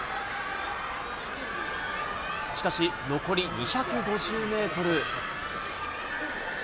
しかし、残り２５０メートル。